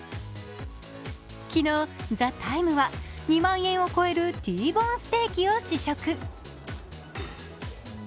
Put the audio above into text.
昨日、「ＴＨＥＴＩＭＥ，」は２万円を超えるティーボーンステーキを試食。